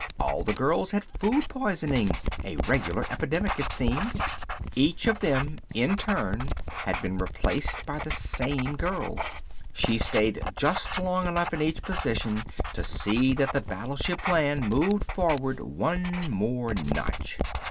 All the girls had food poisoning, a regular epidemic it seemed. Each of them in turn had been replaced by the same girl. She stayed just long enough in each position to see that the battleship plan moved forward one more notch.